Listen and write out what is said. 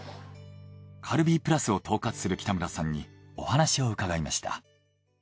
カルビープラスを統括する北村さんにお話を伺いました。